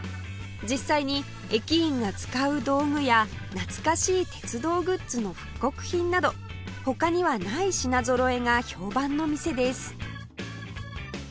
実際に駅員が使う道具や懐かしい鉄道グッズの復刻品など他にはない品ぞろえが評判の店です